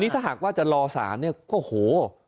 ถ้าหากว่าจะรอสารเนี่ยโอ้โห